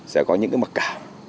sẽ có những mặc cảm